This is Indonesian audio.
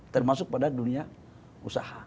termasuk pada dunia usaha